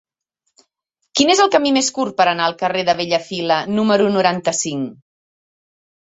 Quin és el camí més curt per anar al carrer de Bellafila número noranta-cinc?